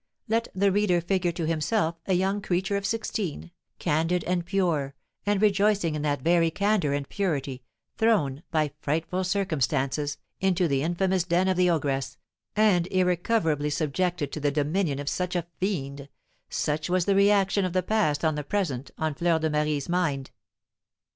Let the reader figure to himself a young creature of sixteen, candid and pure, and rejoicing in that very candour and purity, thrown, by frightful circumstances, into the infamous den of the ogress, and irrecoverably subjected to the dominion of such a fiend, such was the reaction of the past on the present on Fleur de Marie's mind.